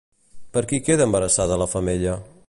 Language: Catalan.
Per qui queda embarassada la femella?